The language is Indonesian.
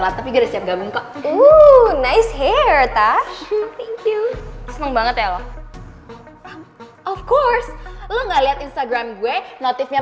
masa abis komen gue langsung cabut aja